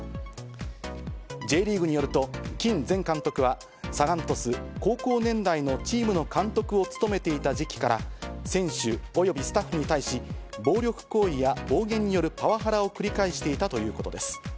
Ｊリーグによると、キン前監督はサガン鳥栖高校年代のチームの監督を務めていた時期から、選手およびスタッフに対し、暴力行為や暴言によるパワハラを繰り返していたということです。